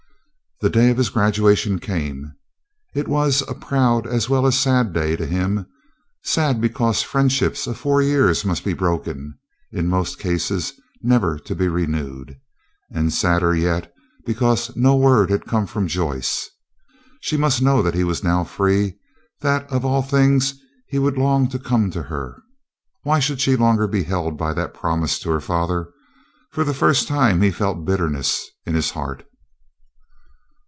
The day of his graduation came. It was a proud as well as a sad day to him. Sad because friendships of four years must be broken, in most cases never to be renewed; and sadder yet because no word had come from Joyce. She must know that he was now free, that of all things he would long to come to her. Why should she longer be held by that promise to her father? For the first time he felt bitterness in his heart.